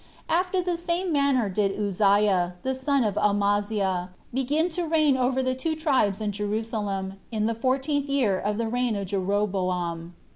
After the same manner did Uzziah, the son of Amaziah, begin to reign over the two tribes in Jerusalem, in the fourteenth year of the reign of Jeroboam.